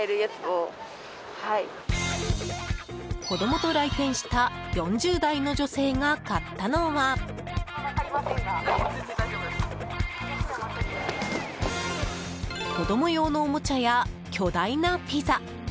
子供と来店した４０代の女性が買ったのは子供用のおもちゃや巨大なピザ。